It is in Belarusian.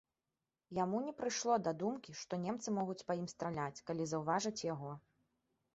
Яму не прыйшло да думкі, што немцы могуць па ім страляць, калі заўважаць яго.